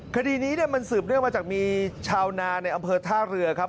คดีนี้มันสืบเนื่องมาจากมีชาวนาในอำเภอท่าเรือครับ